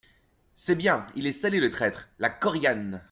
C'est bien, il est salé, le traître ! LA KORIGANE.